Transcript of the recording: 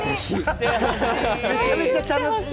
めちゃめちゃ楽しい。